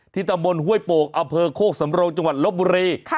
ที่ตะบนห้วยโปกอเภอโคกสำรงจังหวัดลบบุรี